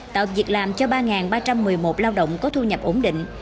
tạo việc làm cho ba ba trăm một mươi một lao động có thu nhập ổn định